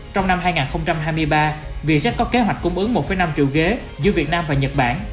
trong năm hai nghìn hai mươi ba vietjet có kế hoạch cung ứng một năm triệu ghế giữa việt nam và nhật bản